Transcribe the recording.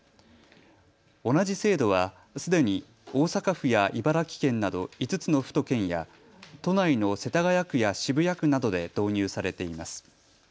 同じ制度は、すでに大阪府や茨城県など５つの府と県や都内の世田谷区や渋谷区などで導入されています。